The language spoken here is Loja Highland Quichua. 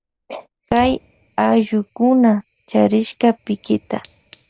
Kay allukuna charishka pikita.